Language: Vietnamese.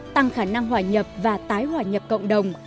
tăng khả năng hòa nhập và tái hòa nhập cộng đồng